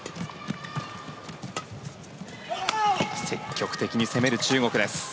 積極的に攻める中国です。